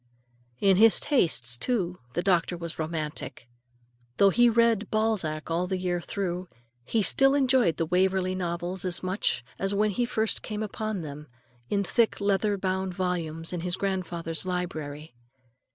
In his tastes, too, the doctor was romantic. Though he read Balzac all the year through, he still enjoyed the Waverley Novels as much as when he had first come upon them, in thick leather bound volumes, in his grandfather's library.